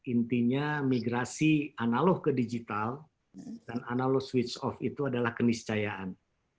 intinya migrasi analog ke digital dan analog switch off itu adalah keniscayaan